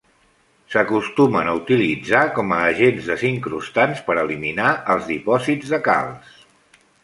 S'acostumen a utilitzar com a agents desincrustants per eliminar els dipòsits de calç.